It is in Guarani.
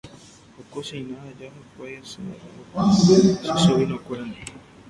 Okosina aja hikuái asẽ aguapy che sobrinokuérandi